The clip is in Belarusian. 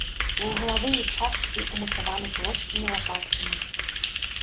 Вуглавыя часткі ўмацаваны плоскімі лапаткамі.